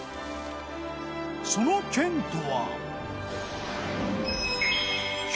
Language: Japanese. その県とは。